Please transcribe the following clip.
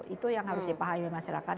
itu yang harus dipahami oleh masyarakat